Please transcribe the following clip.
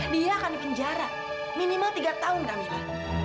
dia akan di penjara minimal tiga tahun camilla